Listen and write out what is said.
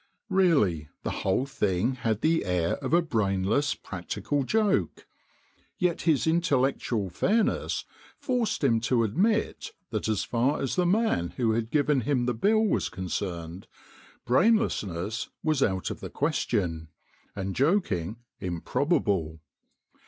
Really, the whole thing had the air of a brainless practical joke, yet his intellectual fairness forced him to admit that as far as the man who had given him the bill was concerned, brainlessness was out of the question, and joking improbable.